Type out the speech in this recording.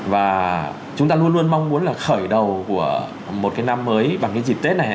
và chúng ta luôn luôn mong muốn là khởi đầu của một cái năm mới bằng cái dịp tết này